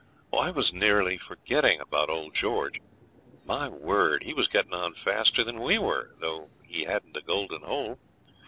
I was near forgetting about old George. My word! he was getting on faster than we were, though he hadn't a golden hole.